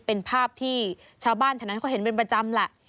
เป็นภาพที่ชาวบ้านถนนเค้าเห็นเป็นประจำล่ะ